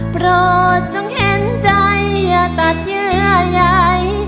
โปรดจงเห็นใจอย่าตัดเยื่อใหญ่